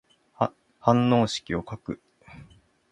反応式を書く。